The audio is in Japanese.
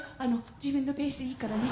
自分のペースでいいからね。